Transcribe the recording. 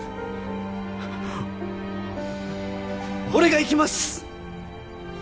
お俺が行きます！